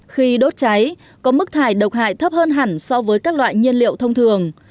khi đốt cháy có mức thải độc hại thấp hơn hẳn so với các loại nhiên liệu thông thường